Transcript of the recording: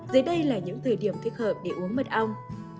dưới đây là những thời điểm thích hợp để uống mật ong